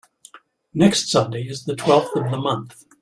Next Sunday is the twelfth of the month.